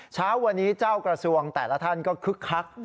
เช้าวันนี้เจ้ากระทรวงแต่ละท่านก็คึกคัก